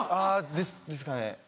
ですかね。